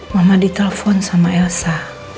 mama ditelepon sama elsa